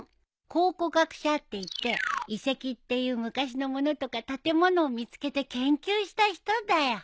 考古学者っていって遺跡っていう昔の物とか建物を見つけて研究した人だよ。